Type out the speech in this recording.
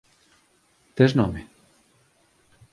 Tes nome?